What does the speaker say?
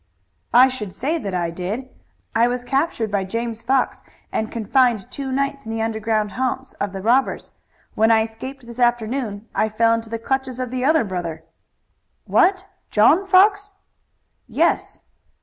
"I should say that I did. I was captured by James Fox and confined two nights in the underground haunts of the robbers. When I escaped this afternoon I fell into the clutches of the other brother." "What! John Fox?" "Yes."